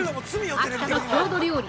秋田の郷土料理